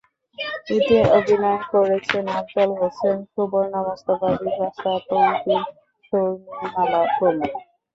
এতে অভিনয় করেছেন আফজাল হোসেন, সূবর্ণা মুস্তাফা, বিপাশা, তৌকীর, শর্মীমালা প্রমুখ।